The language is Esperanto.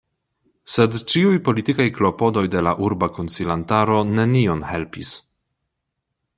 Sed ĉiuj politikaj klopodoj de la urba konsilantaro nenion helpis.